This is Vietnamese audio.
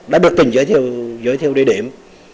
đã được tỉnh giới thiệu địa điểm